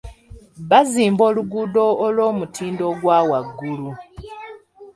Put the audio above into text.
Bazimba oluguudo olw'omutindo ogwa waggulu.